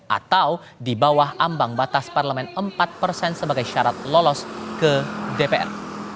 atau di bawah ambang batas parlemen empat persen sebagai syarat lolos ke dpr